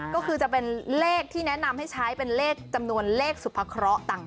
ก็คือจะเป็นเลขที่แนะนำให้ใช้เป็นเลขจำนวนเลขสุภเคราะห์ต่าง